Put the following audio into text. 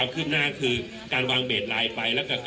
คุณผู้ชมไปฟังผู้ว่ารัฐกาลจังหวัดเชียงรายแถลงตอนนี้ค่ะ